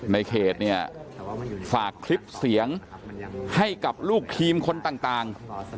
ในเขตเนี่ยฝากคลิปเสียงให้กับลูกทีมคนต่าง